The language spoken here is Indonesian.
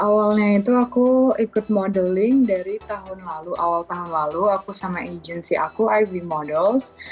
awalnya itu aku ikut modeling dari tahun lalu awal tahun lalu aku sama agency aku iv models